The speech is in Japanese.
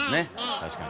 確かに。